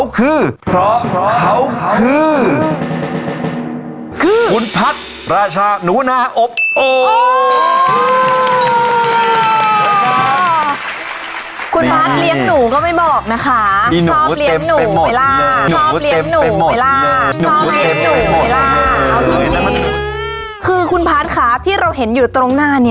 คือคุณภาษณ์ขที่เราเห็นอยู่ตรงหน้า